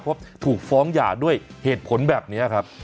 เพราะถูกฟ้องหย่าด้วยเหตุผลแบบนี้ครับ